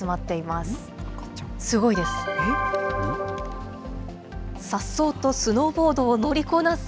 すごいです。